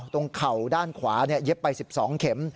เข่าด้านขวาเย็บไป๑๒เข็ม